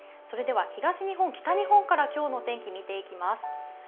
それでは東日本、北日本から今日の天気を見ていきます。